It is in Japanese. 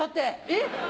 えっ？